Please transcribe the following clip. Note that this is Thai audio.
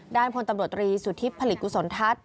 พลตำรวจตรีสุทธิผลิตกุศลทัศน์